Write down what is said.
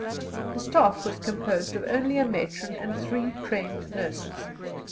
The staff was composed of only a matron and three trained nurses.